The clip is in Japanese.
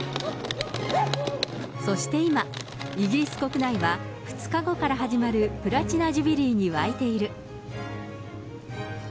そして今、イギリス国内は２日後から始まるプラチナジュビリーに沸いている。